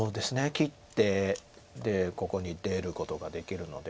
切ってでここに出ることができるので。